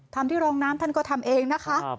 ทำที่โรงน้ำท่านก็ทำเองนะคะ